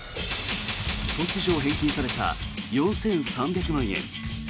突如返金された４３００万円。